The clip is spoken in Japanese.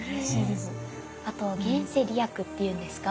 あと現世利益っていうんですか。